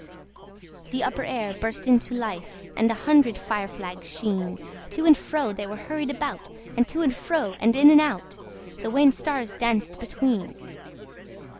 The upper air burst into life! And a hundred fire flags sheen, To and fro they were hurried about! And to and fro, and in and out, The wan stars danced between.